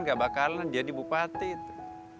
nggak bakalan jadi bupati itu